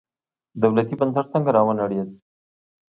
دولتي بنسټ څنګه راونړېد.